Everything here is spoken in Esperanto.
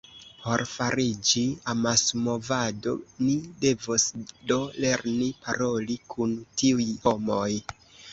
Por fariĝi amasmovado, ni devos do lerni paroli kun tiuj homoj.